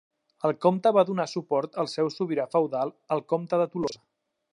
El comte va donar suport al seu sobirà feudal el comte de Tolosa.